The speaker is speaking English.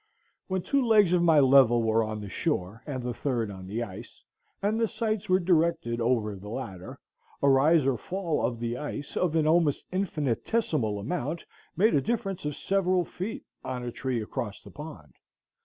When two legs of my level were on the shore and the third on the ice, and the sights were directed over the latter, a rise or fall of the ice of an almost infinitesimal amount made a difference of several feet on a tree across the pond.